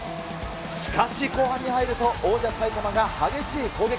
しかし後半に入ると、王者、埼玉が激しい攻撃。